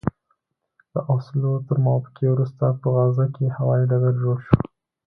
د اوسلو تر موافقې وروسته په غزه کې هوايي ډګر جوړ شو.